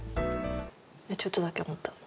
ちょっとだけ思った。